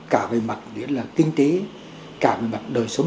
cả về mặt kinh tế cả về mặt đời sống